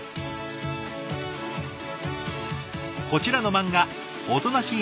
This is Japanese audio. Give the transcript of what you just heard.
こちらの漫画おとなしい